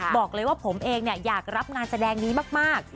บอกเลยว่าผมเองอยากรับงานแสดงนี้มาก